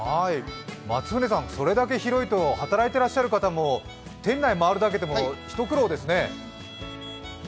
松舟さん、それだけ広いと働いてらっしゃる方も店内回るだけでも一苦労ですね。